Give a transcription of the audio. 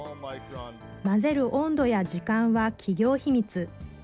混ぜる温度や時間は企業秘密。